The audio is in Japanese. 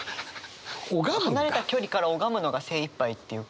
離れた距離から拝むのが精いっぱいっていうか。